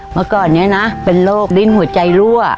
เมื่อก่อนนี้นะเป็นโรคดิ้นหัวใจรั่ว